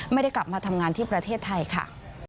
ไม่ได้กลับมาทำงานที่ประเทศไทยค่ะ